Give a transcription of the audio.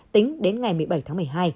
tính đến ngày một mươi bảy tháng một mươi hai